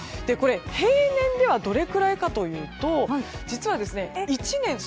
平年では、どれくらいかというと実は。